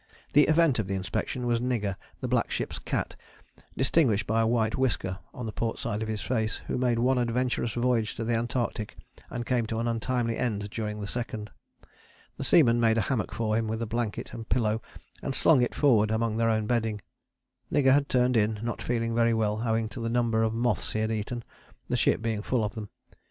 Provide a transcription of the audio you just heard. The event of the inspection was Nigger, the black ship's cat, distinguished by a white whisker on the port side of his face, who made one adventurous voyage to the Antarctic and came to an untimely end during the second. The seamen made a hammock for him with blanket and pillow, and slung it forward among their own bedding. Nigger had turned in, not feeling very well, owing to the number of moths he had eaten, the ship being full of them.